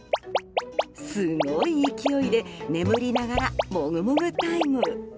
すごい勢いで眠りながらもぐもぐタイム。